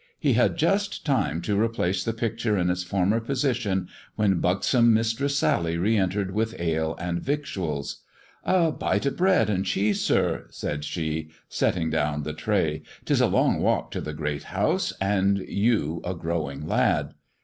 He had just time to replace the picture in its former position when buxom Mistress Sally re entered with ale and victuals. " A bite of bread and cheese, sir," said she, setting down the tray ;" 'tis a long walk to the Great House, and you a growing lad."